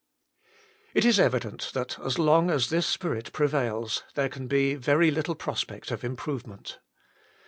It is evident that as long as this spirit prevails, there can be very little prospect of improvement.